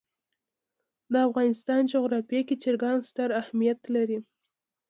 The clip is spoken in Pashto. د افغانستان جغرافیه کې چرګان ستر اهمیت لري.